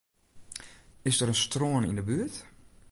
Is der in strân yn 'e buert?